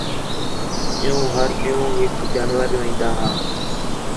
عِیّوں ہر ݙِین٘ہوں ہِک جانور وین٘دا ہا